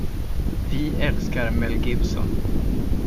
Vi älskar Mel Gibson.